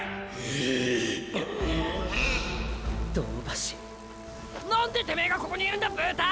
銅橋何でてめえがここにいるんだブタ！